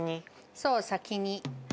そう、先に。